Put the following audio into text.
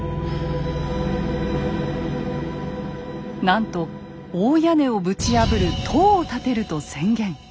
なんと大屋根をぶち破る塔を建てると宣言。